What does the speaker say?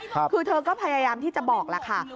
คือเธอก็พยายามที่จะบอกแล้วค่ะ